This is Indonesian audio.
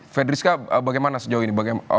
fedriska bagaimana sejauh ini